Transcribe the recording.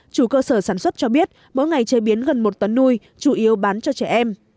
chủ cơ sở sản xuất cho biết mỗi ngày chế biến gần một tấn nuôi chủ yếu bán cho trẻ em